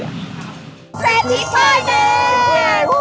เซธีป้ายแม่